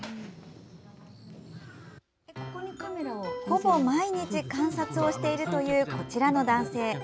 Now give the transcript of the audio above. ほぼ毎日観察をしているというこちらの男性。